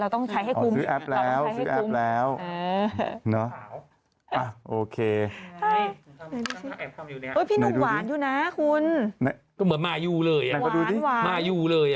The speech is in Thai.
ส่งมาให้ดูหน่อย